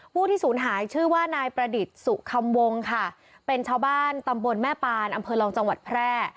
ผู้ที่ศูนย์หายชื่อว่านายประดิษฐ์สุคำวงค่ะเป็นชาวบ้านตำบลแม่ปานอำเภอรองจังหวัดแพร่